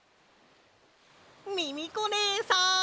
ミミコねえさん！